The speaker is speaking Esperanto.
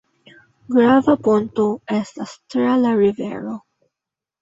Grava ponto estas tra la rivero.